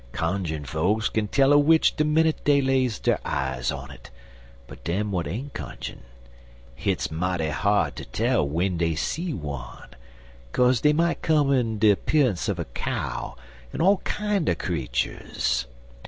Cunjun fokes kin tell a witch de minnit dey lays der eyes on it, but dem w'at ain't cunjun, hit's mighty hard ter tell w'en dey see one, kaze dey might come in de 'pearunce un a cow en all kinder creeturs.